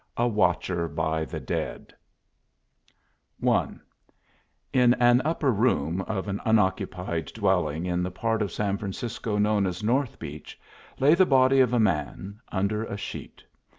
A WATCHER BY THE DEAD I In an upper room of an unoccupied dwelling in the part of San Francisco known as North Beach lay the body of a man, under a sheet.